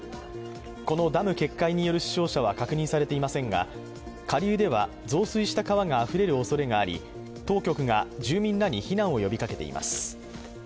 このダム決壊による死傷者は確認されていませんが、下流では増水した川があふれるおそれがあり当局が住民らに避難を呼びかけています。